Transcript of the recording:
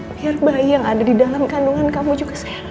biar bayi yang ada di dalam kandungan kamu juga sehat